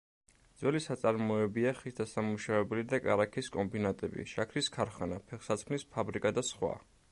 ძველი საწარმოებია ხის დასამუშავებელი და კარაქის კომბინატები, შაქრის ქარხანა, ფეხსაცმლის ფაბრიკა და სხვა.